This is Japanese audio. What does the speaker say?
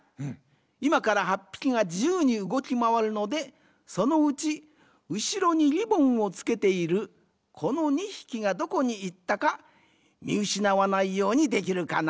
いまから８ぴきがじゆうにうごきまわるのでそのうちうしろにリボンをつけているこの２ひきがどこにいったかみうしなわないようにできるかな？